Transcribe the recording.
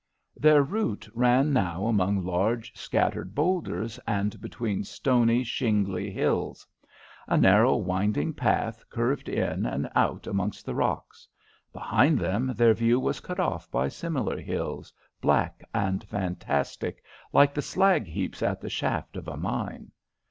Their route ran now among large, scattered boulders, and between stony, shingly hills. A narrow, winding path curved in and out amongst the rocks. Behind them their view was cut off by similar hills, black and fantastic, like the slag heaps at the shaft of a mine.